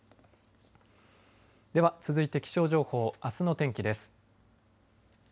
では、続いて気象情報あすの天気です。